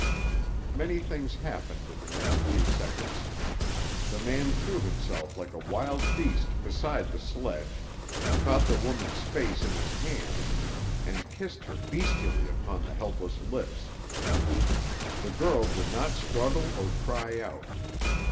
Many things happened in the next few seconds. The man threw himself like a wild beast beside the sledge, caught the woman's face in his hands and kissed her bestially upon the helpless lips. The girl did not struggle or cry out.